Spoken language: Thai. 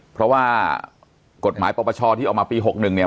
เพราะว่ากฎหมายปปชที่ออกมาปี๖๑เนี่ย